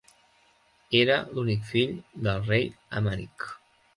Era l'únic fill del rei Emeric.